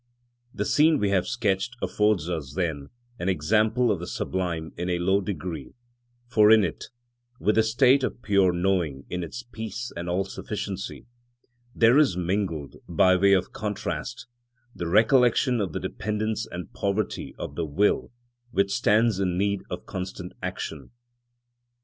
The scene we have sketched affords us, then, an example of the sublime in a low degree, for in it, with the state of pure knowing in its peace and all sufficiency, there is mingled, by way of contrast, the recollection of the dependence and poverty of the will which stands in need of constant action.